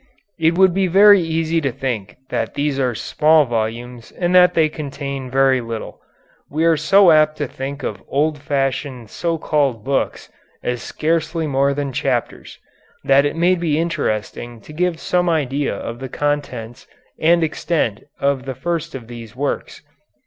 It would be very easy to think that these are small volumes and that they contain very little. We are so apt to think of old fashioned so called books as scarcely more than chapters, that it may be interesting to give some idea of the contents and extent of the first of these works.